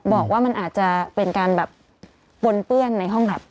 บอกว่ามันอาจจะเป็นการแบบปนเปื้อนในห้องแล็บ